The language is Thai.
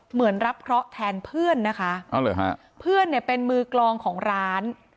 เหมือนรับเคราะห์แทนเพื่อนนะคะเพื่อนเนี่ยเป็นมือกลองของร้าน